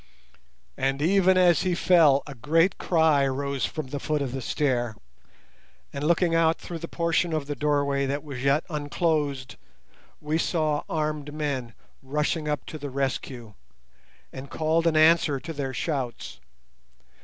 And even as he fell, a great cry rose from the foot of the stair, and looking out through the portion of the doorway that was yet unclosed, we saw armed men rushing up to the rescue, and called an answer to their shouts.